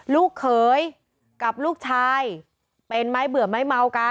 ลูกเขยกับลูกชายเป็นไม้เบื่อไม้เมากัน